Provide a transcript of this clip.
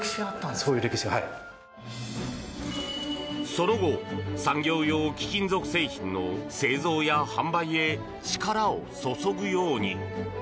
その後、産業用貴金属製品の製造や販売へ力を注ぐように。